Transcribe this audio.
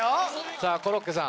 さぁコロッケさん